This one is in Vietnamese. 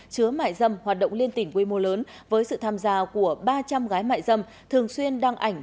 chứa mại dâm hoạt động liên tỉnh quy mô lớn với sự tham gia của ba trăm linh gái mại dâm thường xuyên đăng ảnh